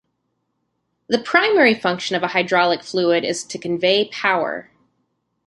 The primary function of a hydraulic fluid is to convey power.